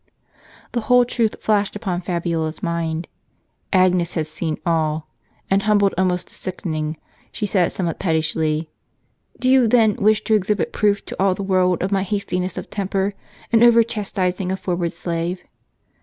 The whole truth flashed upon Fabiola' s mind. Agnes had seen all; and humbled almost to sickening, she said some what pettishly, "Do you then wish to exhibit proof to all the world of my hastiness of temper, in over chastising a forward slave?"